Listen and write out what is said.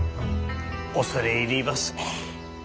恐れ入ります。